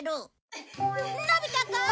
のび太くん？